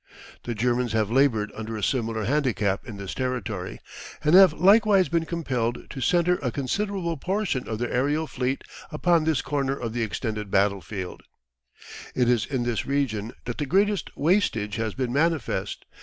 The Germans have laboured under a similar handicap in this territory, and have likewise been compelled to centre a considerable proportion of their aerial fleet upon this corner of the extended battlefield. It is in this region that the greatest wastage has been manifest.